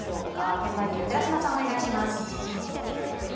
現場にいる寺島さん、お願いします。